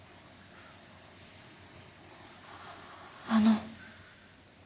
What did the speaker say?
あの。